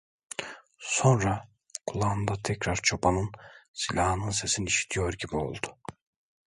Sonra kulağında tekrar çobanın silahının sesini işitiyor gibi oldu.